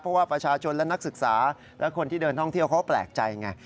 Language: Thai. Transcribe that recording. เพราะว่าประชาชนและนักศึกษาและคนที่เดินท่องเที่ยวเขาก็แปลกใจไง